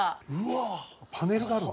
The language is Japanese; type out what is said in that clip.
うわパネルがある。